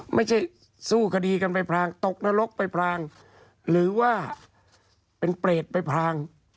ไม่ใช่สู้คดีกันไปพรางตกนรกไปพรางหรือว่าเป็นเปรตไปพราง